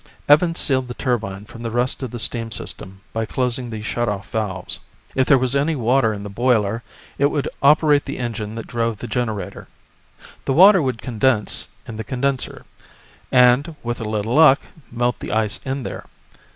Evans sealed the turbine from the rest of the steam system by closing the shut off valves. If there was any water in the boiler, it would operate the engine that drove the generator. The water would condense in the condenser, and with a little luck, melt the ice in there.